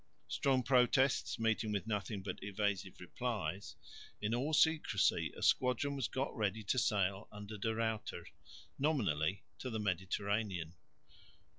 Strong protests meeting with nothing but evasive replies, in all secrecy a squadron was got ready to sail under De Ruyter, nominally to the Mediterranean.